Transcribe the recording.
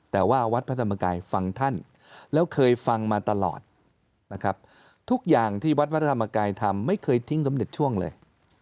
แต่ว่าวัดพระธรรมกายฟังท่านแล้วเคยฟังมาตลอดนะครับทุกอย่างที่วัดพระธรรมกายทำไม่เคยทิ้งสำเร็จช่วงเลย